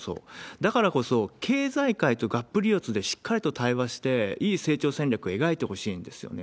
だからこそ、経済界とがっぷりよつでしっかりと対話して、いい成長戦略を描いてほしいんですよね。